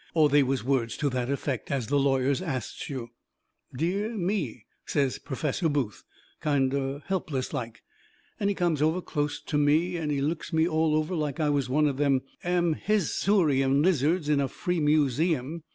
Or they was words to that effect, as the lawyers asts you. "Dear me," says Perfesser Booth, kind o' helpless like. And he comes over closet to me and looks me all over like I was one of them amphimissourian lizards in a free museum.